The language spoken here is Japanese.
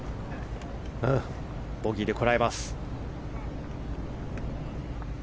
ボギーでこらえます。